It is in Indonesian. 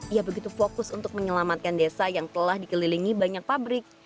ia begitu fokus untuk menyelamatkan desa yang telah dikelilingi banyak pabrik